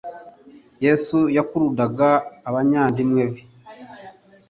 Yesu yakurudaga abayandimwe be